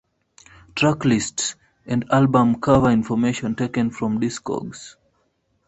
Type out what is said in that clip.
Track list and album cover information taken from Discogs.